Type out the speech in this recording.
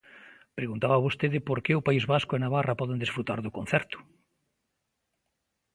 Preguntaba vostede por que o País Vasco e Navarra poden desfrutar do concerto.